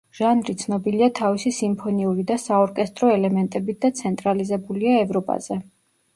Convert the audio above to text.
ჟანრი ცნობილია თავისი სიმფონიური და საორკესტრო ელემენტებით და ცენტრალიზებულია ევროპაზე.